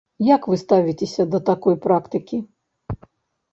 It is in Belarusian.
Як вы ставіцеся да такой практыкі?